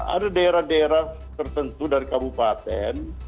ada daerah daerah tertentu dari kabupaten